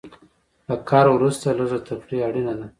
له کار وروسته لږه تفریح اړینه ده.